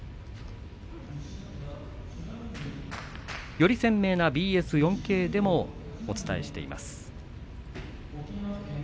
より鮮明なＢＳ４Ｋでもお伝えしています。